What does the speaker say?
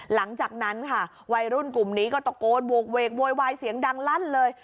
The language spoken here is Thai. หลังจากนั้นค่ะวัยรุ่นกลุ่มนี้ก็ตะโกนโหกเวกโวยวายเสียงดังลั่นเลย